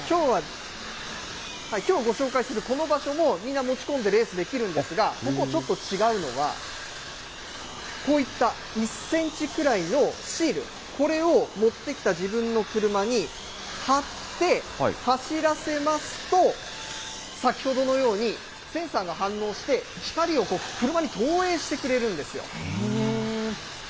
きょうご紹介するこの場所も、みんな持ち込んでレースできるんですが、ここ、ちょっと違うのは、こういった１センチくらいのシール、これを持ってきた自分の車に貼って、走らせますと、先ほどのように、センサーが反応して、光を車に投影してくれるんですよ。